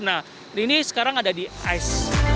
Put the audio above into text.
nah ini sekarang ada di ice